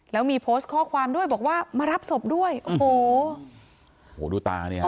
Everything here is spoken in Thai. แล้วมีโพสต์ข้อความด้วยบอกว่ามารับศพด้วยโอ้โหดูตานี่ฮะ